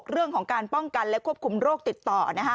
เรื่องของการป้องกันและควบคุมโรคติดต่อ